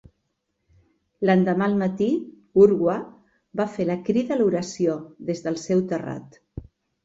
L'endemà al matí, Urwah va fer la crida a l'oració des del seu terrat.